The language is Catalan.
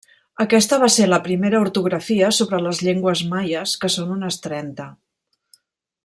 Aquesta va ser la primera ortografia sobre les llengües maies, que són unes trenta.